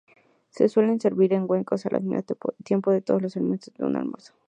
Se suelen servir en cuencos, al mismo tiempo, todos los elementos de un almuerzo.